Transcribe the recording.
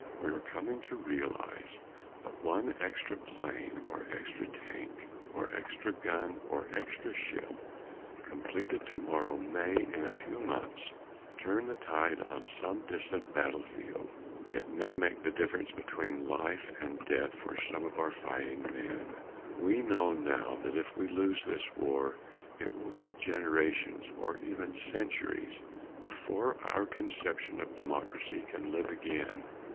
We are coming to realize that one extra plane or extra tank or extra gun or extra ship completed tomorrow may, in a few months, turn the tide on some distant battlefield; it may make the difference between life and death for some of our own fighting men. We know now that if we lose this war it will be generations or even centuries before our conception of democracy can live again.